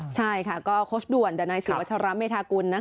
ใช่ค่ะก็โคชด่วนดันไนสิวัชระเมธากุล